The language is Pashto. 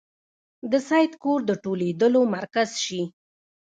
د سید کور د ټولېدلو مرکز شي.